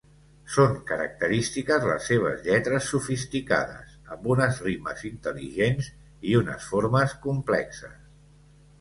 Són característiques les seves lletres sofisticades, amb unes rimes intel·ligents i unes formes complexes.